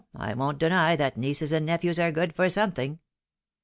I won't deny that nieces and nephews are good for somethSig."